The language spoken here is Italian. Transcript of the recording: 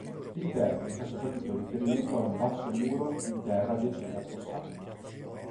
Il termine fa soprattutto riferimento al basso muro in terra adiacente al fossato.